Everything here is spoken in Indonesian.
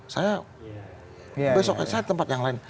saya besok saya tempat yang lain